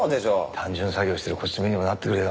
単純作業してるこっちの身にもなってくれよ。